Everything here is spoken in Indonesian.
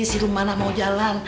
si rumana mau jalan